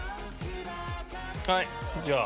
はいじゃあ。